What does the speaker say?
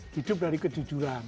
hidup dari kejujuran